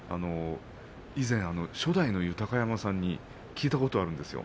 以前、初代の豊山さんに聞いたことがあるんですよ。